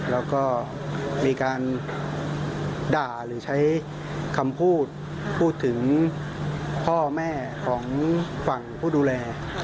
แล้วก็มีการด่าหรือใช้คำพูดพูดถึงพ่อแม่ของฝั่งผู้ดูแล